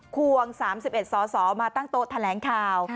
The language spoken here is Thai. ควง๓๑สสมาตั้งโต๊ะแถลงข่าว